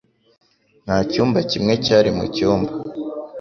Nta cyumba kimwe cyari mu cyumba